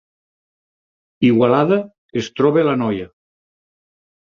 Igualada es troba a l’Anoia